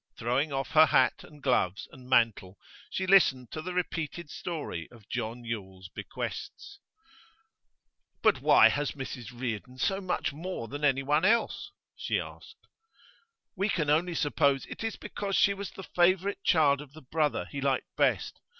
Throwing off her hat and gloves and mantle she listened to the repeated story of John Yule's bequests. 'But why ever has Mrs Reardon so much more than anyone else?' she asked. 'We can only suppose it is because she was the favourite child of the brother he liked best.